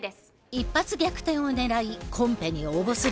一発逆転を狙いコンペに応募する。